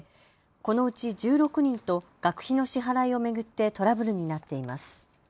このうち１６人と学費の支払いを巡ってトラブルになっています。